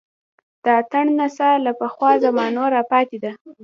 د اتڼ نڅا له پخوا زمانو راپاتې ده